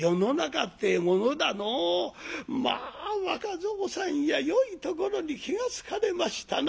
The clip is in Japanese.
「まあ若蔵さんやよいところに気が付かれましたな。